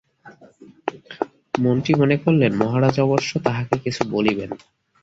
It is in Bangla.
মন্ত্রী মনে করিলেন, মহারাজ অবশ্য তাঁহাকে কিছু বলিবেন।